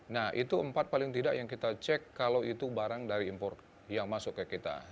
nah itu empat paling tidak yang kita cek kalau itu barang dari impor yang masuk ke kita